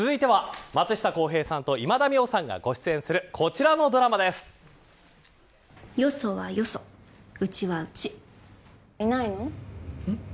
続いては、松下洸平さんと今田美桜さんがご出演するよそはよそ、うちはうち。